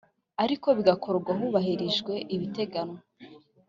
ariko bigakorwa hubahirijwe ibiteganywa